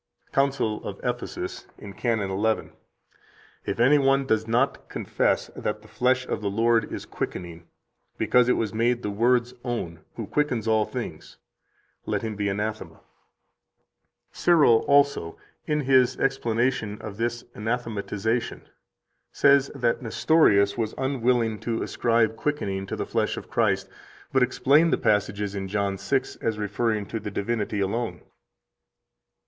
92 Council of Ephesus (Cyril, t. 4, p. 140 [Apologet, adv. Orient., t. 6, fol. 196 ), in Canon 11: "If any one does not confess that the flesh of the Lord is quickening, because it was made the Word's own, who quickens all things, let him be anathema." 93 Cyril also (ibid., p. 140; t. 4, p. 85), in his explanation of this anathematization, says that Nestorius was unwilling to ascribe quickening to the flesh of Christ, but explained the passages in John 6 as referring to the divinity alone."